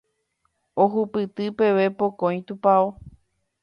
ohupyty peve pokõi tupão